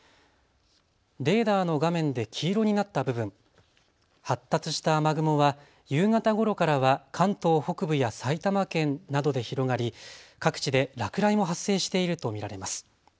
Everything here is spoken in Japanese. レーダーの画面で黄色になった部分、発達した雨雲は夕方ごろからは関東北部や埼玉県などで広がり各地で落雷も発生していると見られます。